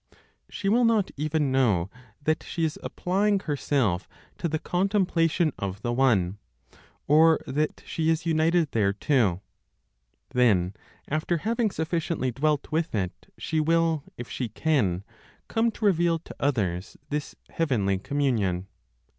She will not even know that she is applying herself to the contemplation of the One, or that she is united thereto. Then, after having sufficiently dwelt with it, she will, if she can, come to reveal to others this heavenly communion.